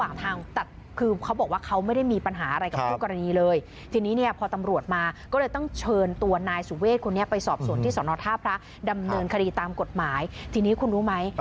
มันเงินคดีตามกฎหมายทีนี้คุณรู้ไหม